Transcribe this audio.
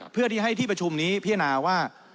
เพื่อที่ให้ที่ประชุมนี้พิจารณาว่า